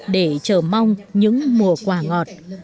để chờ mong những mùa quà ngọt